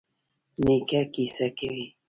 نیکه کیسې کوي.